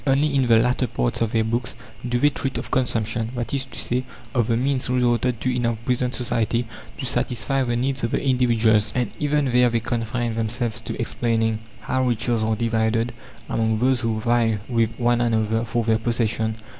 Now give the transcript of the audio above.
Only in the latter parts of their books do they treat of CONSUMPTION, that is to say, of the means resorted to in our present Society to satisfy the needs of the individuals; and even there they confine themselves to explaining how riches are divided among those who vie with one another for their possession.